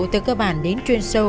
từ cơ bản đến chuyên sâu